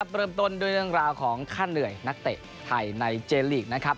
เริ่มต้นด้วยเรื่องราวของค่าเหนื่อยนักเตะไทยในเจนลีกนะครับ